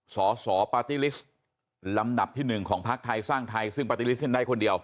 สสปาร์ตี้ลิสต์ลำดับที่๑ของพักไทยสร้างไทยซึ่งปาร์ตี้ลิสต์ได้คนเดียว